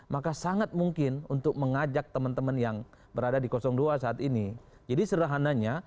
maka sangat mungkin untuk mengajak teman teman yang berada di dua saat ini jadi sederhananya